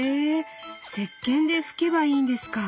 石けんで拭けばいいんですか。